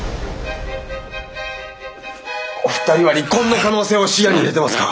お二人は離婚の可能性を視野に入れてますか？